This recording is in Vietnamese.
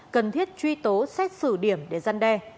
cần thiết truy tố xét xử điểm để gian đe